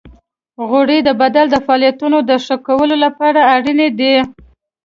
غوړې د بدن د فعالیتونو د ښه کولو لپاره اړینې دي.